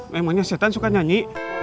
memangnya setan suka nyanyi